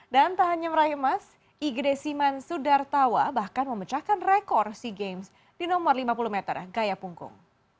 dan tak hanya meraih emas igede siman sudartawa bahkan memecahkan rekor sea games di nomor lima puluh meter gaya punggung